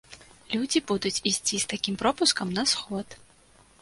Людзі будуць ісці з такім пропускам на сход.